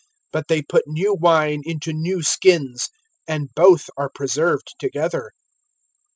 But they put new wine into new skins, and both are preserved together.